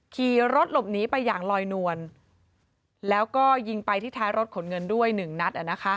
ขี่รถหลบหนีไปอย่างลอยนวลแล้วก็ยิงไปที่ท้ายรถขนเงินด้วยหนึ่งนัด